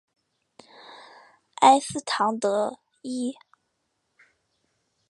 埃斯唐德伊。